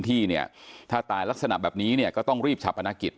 ที่เนี่ยถ้าตายลักษณะแบบนี้เนี่ยก็ต้องรีบฉับพนักกิจ